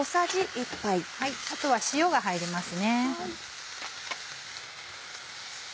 あとは塩が入りますね。